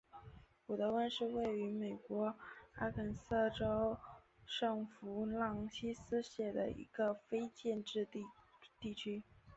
古得温是位于美国阿肯色州圣弗朗西斯县的一个非建制地区。